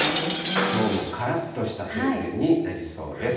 きょうもからっとした晴天になりそうです。